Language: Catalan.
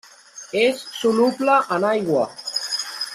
És soluble en aigua.